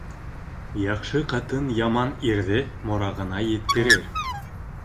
Яҡшы ҡатын яман ирҙе морагына еткерер.